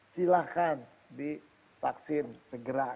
silahkan divaksin segera